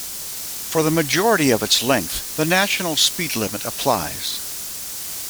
For the majority of its length, the national speed limit applies.